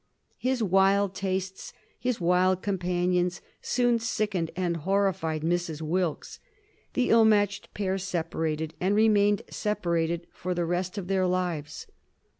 His wild tastes, his wild companions soon sickened and horrified Mrs. Wilkes. The ill matched pair separated, and remained separate for the rest of their lives.